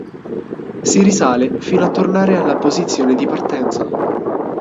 Si risale fino a tornare alla posizione di partenza.